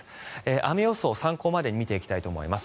雨予想、参考までに見ていきたいと思います。